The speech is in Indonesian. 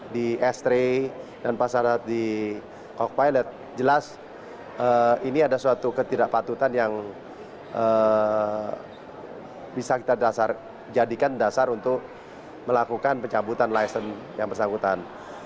di estre dan pasaran di coq pilot jelas ini ada suatu ketidakpatutan yang bisa kita jadikan dasar untuk melakukan pencabutan lisen yang bersangkutan